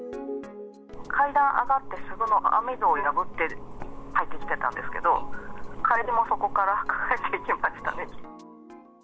階段上がってすぐの網戸を破って入ってきてたんですけど、帰りもそこから帰っていきましたね。